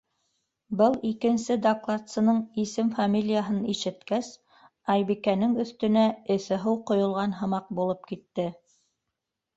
Был икенсе докладсының исем-фамилияһын ишеткәс, Айбикәнең өҫтөнә эҫе һыу ҡойолған һымаҡ булып китте.